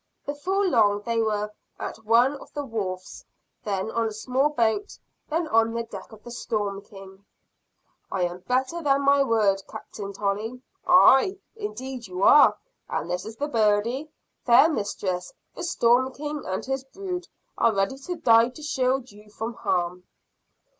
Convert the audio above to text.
Before long they were at one of the wharves; then on a small boat then on the deck of the "Storm King." "I am better than my word, Captain Tolley." "Aye! indeed you are. And this is the birdie! Fair Mistress, the "Storm King" and his brood are ready to die to shield you from harm."